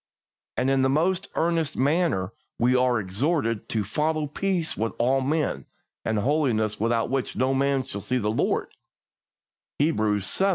And in the most earnest manner we are exhorted to "follow peace with all men, and holiness, without which no man shall see the Lord" (Hebrews xii.